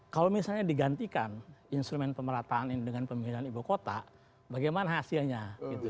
kalau misalnya digantikan instrumen pemerataan ini dengan pemindahan ibu kota bagaimana hasilnya gitu